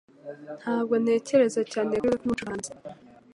Ntabwo ntekereza cyane kuri we nkumucuranzi.